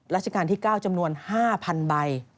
ราชการที่๙จำนวน๕๐๐๐ใบ